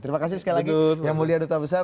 terima kasih sekali lagi yang mulia duta besar